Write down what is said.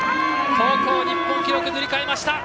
高校日本記録を塗り替えました！